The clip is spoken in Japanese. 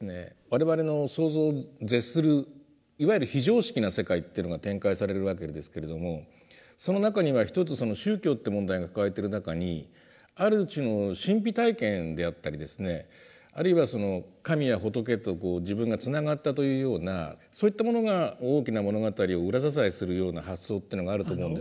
我々の想像を絶するいわゆる非常識な世界っていうのが展開されるわけですけれどもその中には一つ宗教っていう問題が抱えている中にある種の神秘体験であったりですねあるいは神や仏と自分がつながったというようなそういったものが大きな物語を裏支えするような発想っていうのがあると思うんですが。